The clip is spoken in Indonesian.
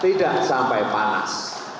tidak sampai panas